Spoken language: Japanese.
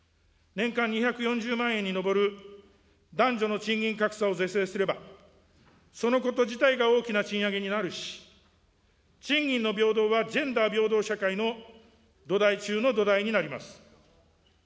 年間２４０万円に上る男女の賃金格差を是正すれば、そのこと自体が大きな賃上げになるし、賃金の平等はジェンダー平等社会の土台中の土台になります。